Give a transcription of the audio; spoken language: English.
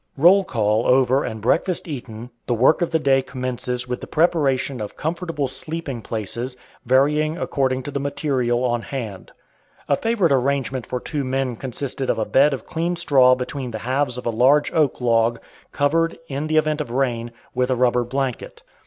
Roll call over and breakfast eaten, the work of the day commences with the preparation of comfortable sleeping places, varying according to the "material" on hand. A favorite arrangement for two men consisted of a bed of clean straw between the halves of a large oak log, covered, in the event of rain, with a rubber blanket.